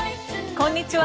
こんにちは。